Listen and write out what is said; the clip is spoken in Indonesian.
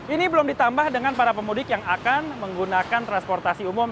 ini belum ditambah dengan para pemudik yang akan menggunakan transportasi umum